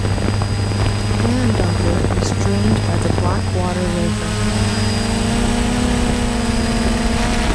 Andover is drained by the Blackwater River.